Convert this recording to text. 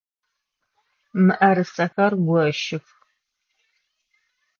Мыӏэрысэхэр гощых!